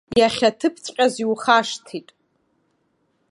Иахьаҭыԥҵәҟьаз иухашҭит!